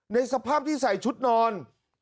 ในสภาพที่ใส่ชุดนอน